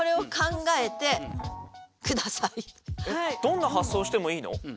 えっどんな発想をしてもいいの？